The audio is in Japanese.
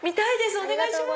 お願いします。